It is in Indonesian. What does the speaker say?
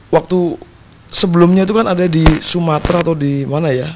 waktu sebelumnya itu kan ada di sumatera atau di mana ya